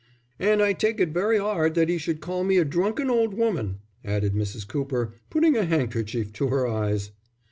"And I take it very 'ard that 'e should call me a drunken old woman," added Mrs. Cooper, putting a handkerchief to her eyes.